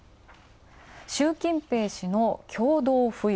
習近平氏の共同富裕。